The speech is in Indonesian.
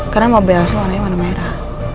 karena mobil langsung warnanya warna merah